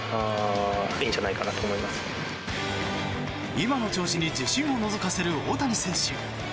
今の調子に自信をのぞかせる大谷選手。